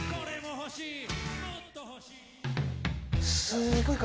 すごい数。